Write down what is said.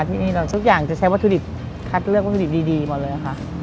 ที่นี่ทุกอย่างจะใช้วัตถุดิบคัดเลือกวัตถุดิบดีหมดเลยค่ะ